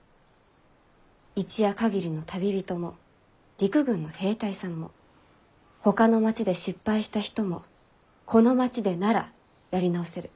一夜限りの旅人も陸軍の兵隊さんもほかの町で失敗した人もこの町でならやり直せる。